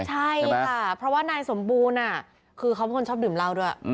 ใช่ค่ะเพราะว่านายสมบูรณ์คือเขาเป็นคนชอบดื่มเหล้าด้วย